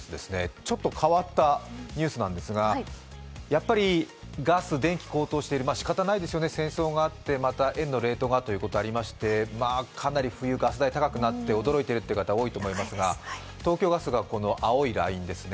ちょっと変わったニュースなんですが、やはり電気、ガスが高騰して仕方ないですよね、戦争があって、また円のレートがありましてかなり冬、ガス代高くなって、驚いている方多いと思いますが東京ガスがこの青いラインですね。